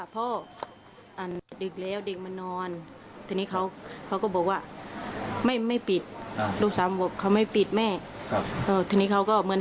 ผมไม่ได้นอนหรอกวันก่อนกระทั่งคืน